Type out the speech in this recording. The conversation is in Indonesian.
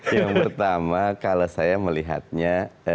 yang pertama kalau saya melihatnya